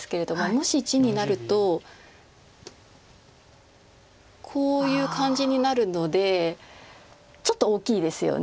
もし地になるとこういう感じになるのでちょっと大きいですよね。